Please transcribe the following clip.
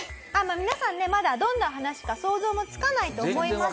皆さんねまだどんな話か想像もつかないと思います。